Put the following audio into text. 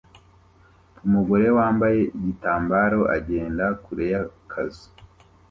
Umugore wambaye igitambaro agenda kure y'akazu